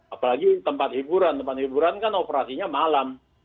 apalagi tempat hiburan tempat hiburan kan operasinya malam